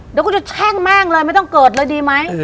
เดี๋ยวคุณจะแช่งแม่งเลยไม่ต้องเกิดเลยดีไหม